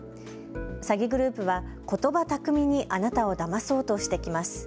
詐欺グループはことば巧みにあなたをだまそうとしてきます。